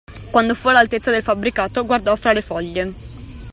Quando fu all'altezza del fabbricato, guardò fra le foglie.